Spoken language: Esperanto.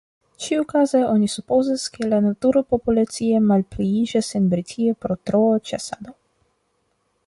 Ĉiukaze oni supozas, ke la "natura" populacio malpliiĝas en Britio pro troa ĉasado.